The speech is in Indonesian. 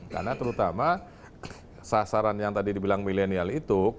karena terutama sasaran yang tadi dibilang milenial itu